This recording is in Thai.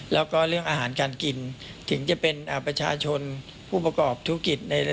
แล้วก็เรื่องอาหารการกินถึงจะเป็นประชาชนผู้ประกอบธุรกิจ